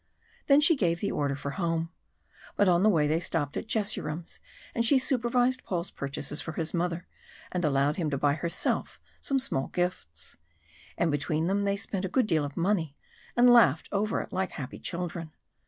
Then she gave the order for home. But on the way they stopped at Jesurum's, and she supervised Paul's purchases for his mother, and allowed him to buy herself some small gifts. And between them they spent a good deal of money, and laughed over it like happy children.